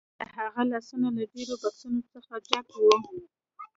د هغه لاسونه له ډیرو بکسونو څخه ډک وو